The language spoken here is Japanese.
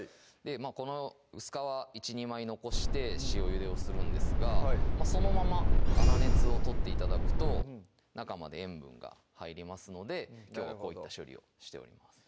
この薄皮１２枚残して塩ゆでをするんですがそのまま粗熱を取って頂くと中まで塩分が入りますのできょうはこういった処理をしております